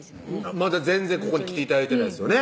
まだ全然ここに来て頂いてないですよね